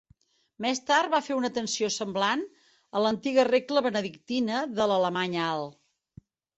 Més tard va fer una atenció semblant a la antiga regla benedictina de l'alemany alt.